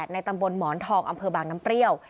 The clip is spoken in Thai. ในตำบลหมอนทองอำเภอบางน้ำเปรี้ยว